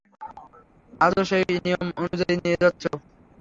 আজও সেই নিয়ম অনুযায়ী নিয়ে যাচ্ছ।